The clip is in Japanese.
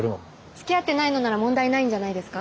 つきあってないのなら問題ないんじゃないですか？